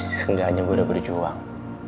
tapi setidaknya gue udah berjuang